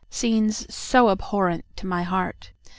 Scenes so abhorrent to my heart!